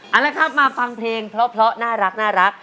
เอาละครับมาฟังเพลงเพราะน่ารัก